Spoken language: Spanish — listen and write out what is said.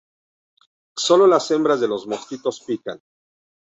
Sólo las hembras de los mosquitos pican.